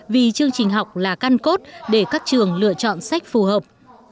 vì chương trình học là căn cốt để các trường lựa chọn sách phù hợp